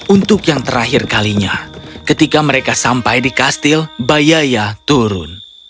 untuk yang terakhir kalinya ketika mereka sampai di kastil bayaya turun